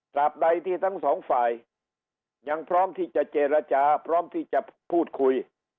ใดที่ทั้งสองฝ่ายยังพร้อมที่จะเจรจาพร้อมที่จะพูดคุย